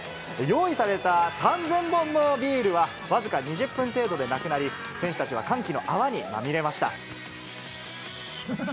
用意された３０００本のビールは、僅か２０分程度でなくなり、選手たちは歓喜の泡にまみれました。